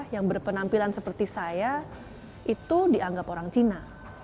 yang berpenampilan seperti saya itu dianggap orang cina